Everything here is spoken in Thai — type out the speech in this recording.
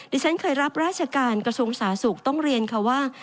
ที่ฉันเคยรับราชการกระทรวงสาธารณสุขต้องเรียนค่ะว่า